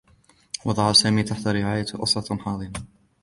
وُضِعَ سامي تحت رعاية أسرة حاضنة.